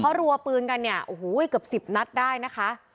เพราะรัวปืนกันเนี่ยโอ้โหเกือบ๑๐นัดได้นะคะ